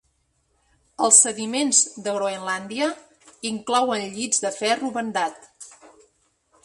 Els sediments de Groenlàndia inclouen llits de ferro bandat.